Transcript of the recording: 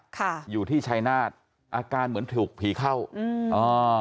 ค่ะอยู่ที่ชายนาฏอาการเหมือนถูกผีเข้าอืมอ่า